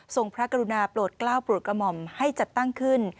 พระกรุณาโปรดกล้าวโปรดกระหม่อมให้จัดตั้งขึ้น